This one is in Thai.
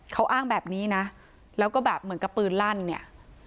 เขาอ้างแบบนี้นะแล้วก็แบบเหมือนกับปืนลั่นเนี่ย